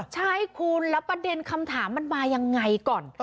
ใช่คุณแล้วประเด็นคำถามมันมายังไงก่อน